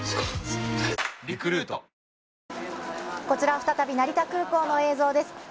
こちら、再び成田空港の映像です。